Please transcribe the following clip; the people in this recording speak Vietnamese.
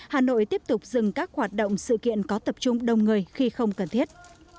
hà nội tiếp tục dừng các hoạt động sự kiện có tập trung đông người khi không cần thiết